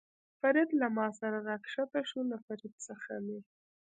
فرید له ما سره را کښته شو، له فرید څخه مې.